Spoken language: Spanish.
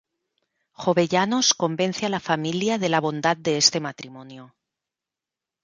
Jovellanos convence a la familia de la bondad de este matrimonio.